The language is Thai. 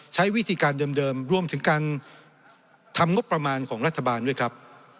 ใช้วิธีการเดิมรวมถึงการทำงบประมาณของรัฐบาลด้วยครับ